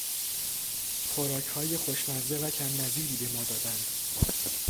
خوراکهای خوشمزه و کم نظیری به ما دادند.